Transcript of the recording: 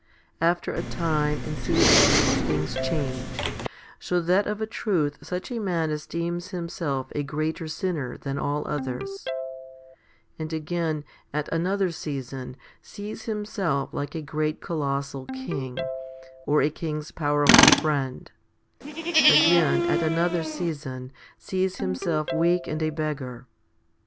After a time and season things change, so that of a truth such a man esteems himself a greater sinner than all others ; and again at another season sees himself like a great colossal king, or a king's powerful friend ; again at another season sees himself weak and a beggar.